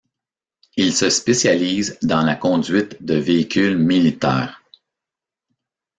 Il se spécialise dans la conduite de véhicules militaires.